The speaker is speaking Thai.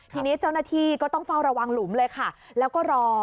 ทีนี้เจ้าหน้าที่ก็ต้องเฝ้าระวังหลุมเลยค่ะแล้วก็รอ